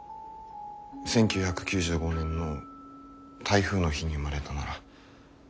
１９９５年の台風の日に生まれたなら。